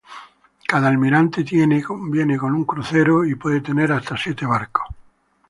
Cada Almirante viene con un crucero y puede tener hasta siete barcos.